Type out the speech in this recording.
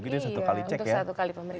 iya untuk satu kali pemeriksaan